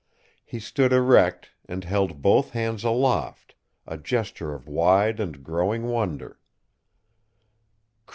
He stood erect and held both hands aloft, a gesture of wide and growing wonder.